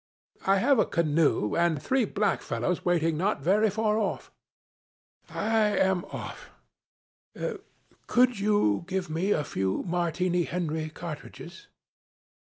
'I have a canoe and three black fellows waiting not very far. I am off. Could you give me a few Martini Henry cartridges?'